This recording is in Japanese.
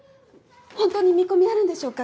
本当に見込みあるんでしょうか。